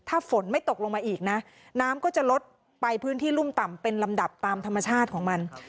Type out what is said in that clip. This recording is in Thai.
ถ้าฝนไม่ตกลงมาอีกนะน้ำก็จะลดไปพื้นที่รุ่มต่ำเป็นลำดับตามธรรมชาติของมัน